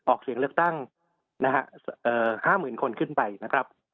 ออกเสียงเลือกตั้ง๕หมื่นคนขึ้นไปนะครับ